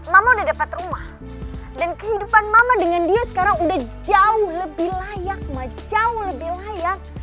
mama udah dapat rumah dan kehidupan mama dengan dia sekarang udah jauh lebih layak jauh lebih layak